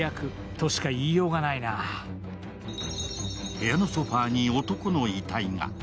部屋のソファーに男の遺体が。